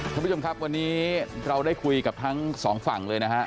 ทุกผู้ชมครับวันนี้เราได้คุยกับทั้งสองฝั่ง